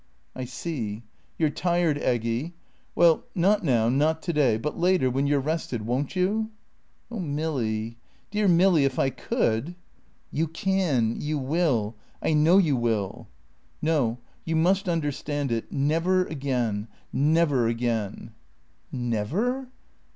"I see. You're tired, Aggy. Well not now, not to day. But later, when you're rested, won't you?" "Oh, Milly, dear Milly, if I could ..." "You can. You will. I know you will ..." "No. You must understand it. Never again. Never again." "Never?"